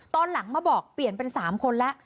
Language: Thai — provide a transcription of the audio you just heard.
ตอนหลังมาบอกเปลี่ยนเป็น๓คนแล้ว